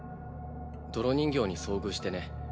泥人形に遭遇してね。